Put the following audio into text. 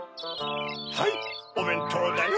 はいおべんとうだよ。